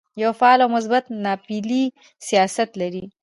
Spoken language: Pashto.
یو فعال او مثبت ناپېیلی سیاست لري.